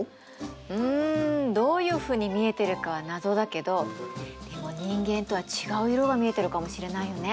うんどういうふうに見えているかは謎だけどでも人間とは違う色が見えているかもしれないよね。